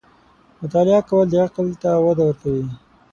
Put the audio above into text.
• مطالعه کول، د عقل ته وده ورکوي.